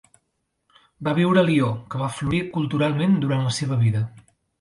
Va viure a Lió, que va florir culturalment durant la seva vida.